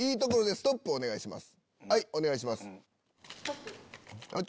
「ストップ」お願いします